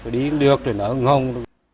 đi lượt rồi nó ưng hồng